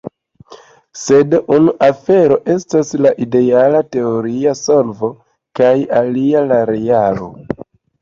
Sed unu afero estas la ideala teoria solvo kaj alia la realo.